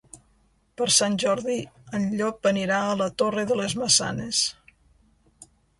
Per Sant Jordi en Llop anirà a la Torre de les Maçanes.